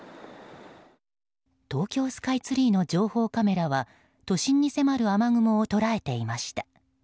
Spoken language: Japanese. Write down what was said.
東京スカイツリーの情報カメラは都心に迫る雨雲を捉えていました。